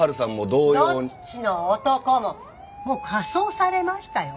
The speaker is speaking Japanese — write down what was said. どっちの男ももう火葬されましたよ。